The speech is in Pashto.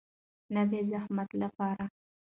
نه د زحمت لپاره.